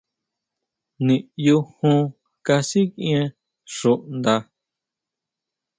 Niʼyu jon kasikʼien xuʼnda.